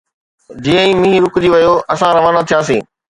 جيئن ئي مينهن رڪجي ويو، اسان روانا ٿياسين.